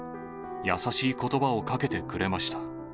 優しいことばをかけてくれました。